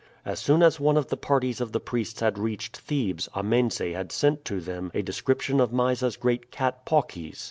As soon as one of the parties of the priests had reached Thebes Amense had sent to them a description of Mysa's great cat Paucis.